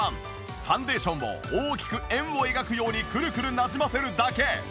ファンデーションを大きく円を描くようにくるくるなじませるだけ！